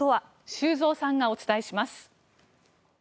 修造さんがお伝えします。